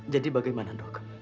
jadi bagaimana dok